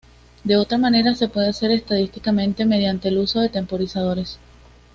De otra manera, se puede hacer estadísticamente mediante el uso de temporizadores.